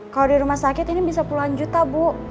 kalau di rumah sakit ini bisa puluhan juta bu